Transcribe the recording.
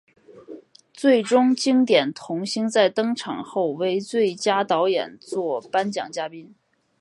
最终经典童星在登场后为最佳导演作颁奖嘉宾。